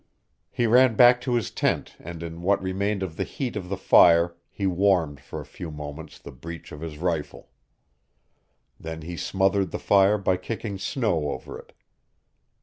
He ran back to his tent and in what remained of the heat of the fire he warmed for a few moments the breech of his rifle. Then he smothered the fire by kicking snow over it.